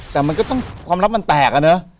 แต่ความลับมันแตกอะเนอะ